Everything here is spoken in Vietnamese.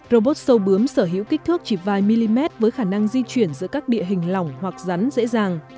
robot sâu bướm sở hữu kích thước chỉ vài mm với khả năng di chuyển giữa các địa hình lỏng hoặc rắn dễ dàng